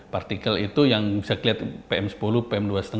partikel itu yang bisa dilihat pm sepuluh pm dua lima itu kan partikel yang lebih besar